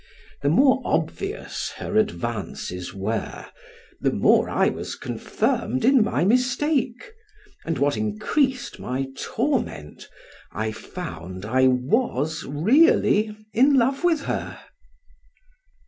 The more obvious her advances were, the more I was confirmed in my mistake, and what increased my torment, I found I was really in love with her.